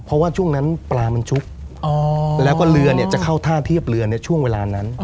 เพราะว่าช่วงนั้นปลามันชุกแล้วก็เรือเนี่ยจะเข้าท่าเทียบเรือในช่วงเวลานั้น